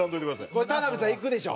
これ田辺さん行くでしょ？